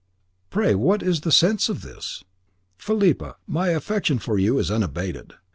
"Pray what is the sense of this?" "Philippa, my affection for you is unabated.